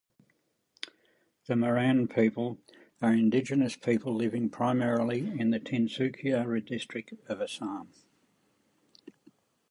The Moran people are indigenous people living primarily in the Tinsukia district of Assam.